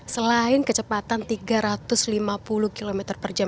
selain kecepatan tiga ratus lima puluh km per jam